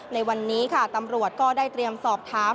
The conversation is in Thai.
ในวันนี้ค่ะตำรวจก็ได้เตรียมสอบถาม